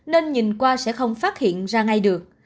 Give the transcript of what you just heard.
nên nhìn qua sẽ không phát hiện ra ngay được